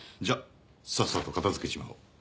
じゃあさっさと片付けちまおう。